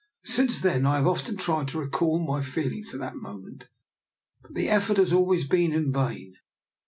Since then I have often tried to recall my feelings at that moment, but the effort has always been in vain.